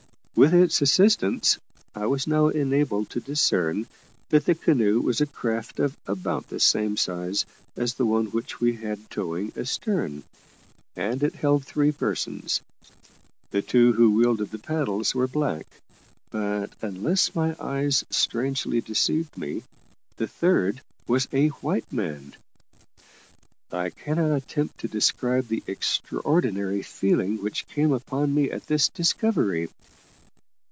With its assistance, I was now enabled to discern that the canoe was a craft of about the same size as the one which we had towing astern, and it held three persons. The two who wielded the paddles were black, but, unless my eyes strangely deceived me, the third was a white man. I cannot attempt to describe the extraordinary feeling which came upon me at this discovery.